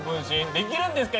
できるんですか